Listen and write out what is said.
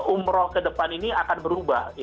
umroh ke depan ini akan berubah